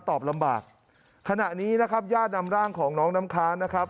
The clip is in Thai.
ตอบลำบากขณะนี้นะครับญาตินำร่างของน้องน้ำค้างนะครับ